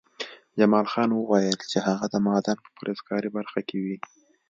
جمال خان وویل چې هغه د معدن په فلزکاري برخه کې وي